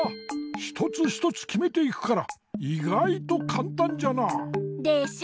ひとつひとつきめていくからいがいとかんたんじゃな。でしょ！